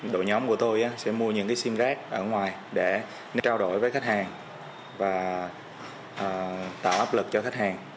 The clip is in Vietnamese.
đội nhóm của tôi sẽ mua những sim rác ở ngoài để trao đổi với khách hàng và tạo áp lực cho khách hàng